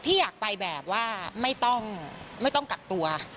พี่อยากไปแบบว่าไม่ต้องกักตัว